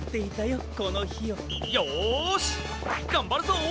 よしがんばるぞ！